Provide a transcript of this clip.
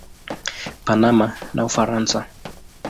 Panama na Ufaransa.